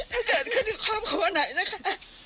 ถ้าเกิดขึ้นที่ความโครนะไหวนะคะ